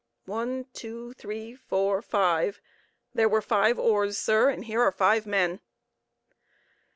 "One, two, three, four, five; there were five oars, sir, and here are five men."